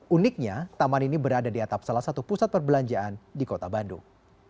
uniknya taman ini berada di atap salah satu pusat perbelanjaan di kota bandung